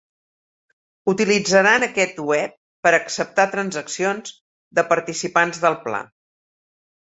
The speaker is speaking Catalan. Utilitzaran aquest web per acceptar transaccions de participants del pla.